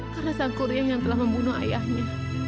karena sangku ria yang telah membunuh ayahnya